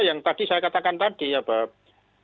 yang tadi saya katakan tadi ya mbak